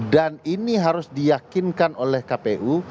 dan ini harus diyakinkan oleh kpu